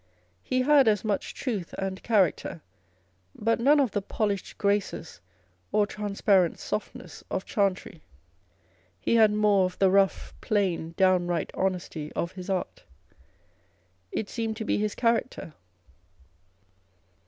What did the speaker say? He had as much truth and character, but none of the polished graces or transparent softness of Chantry. He had more of the rough, plain, downright honesty of his art. It seemed to be his character.